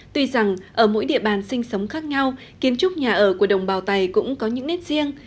tuy rằng ở mỗi địa bàn sinh sống khác nhau kiến trúc nhà ở của đồng bào tày cũng có những nét riêng